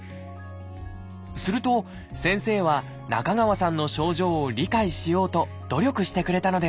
すると先生は中川さんの症状を理解しようと努力してくれたのです